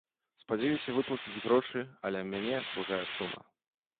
Спадзяюся выплаціць грошы, але мяне пужае сума.